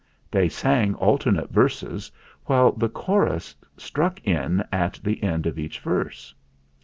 They sang alternate verses, while the chorus struck in at the end of each verse.